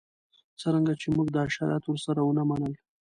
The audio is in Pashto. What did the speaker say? څرنګه چې موږ دا شرایط ورسره ونه منل.